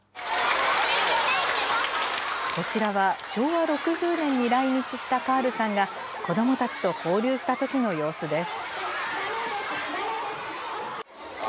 こちらは昭和６０年に来日したカールさんが、子どもたちと交流したときの様子です。